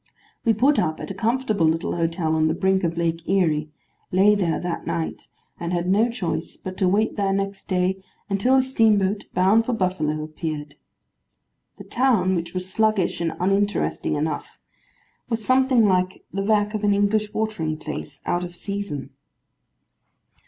We put up at a comfortable little hotel on the brink of Lake Erie, lay there that night, and had no choice but to wait there next day, until a steamboat bound for Buffalo appeared. The town, which was sluggish and uninteresting enough, was something like the back of an English watering place, out of the season.